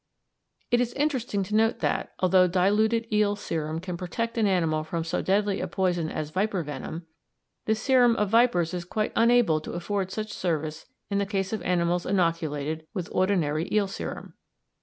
It is interesting to note that, although diluted eel serum can protect an animal from so deadly a poison as viper venom, the serum of vipers is quite unable to afford any such service in the case of animals inoculated with ordinary eel serum.